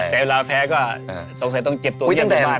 แต่เวลาแพ้ก็สงสัยต้องเจ็บตัวเย็นบัน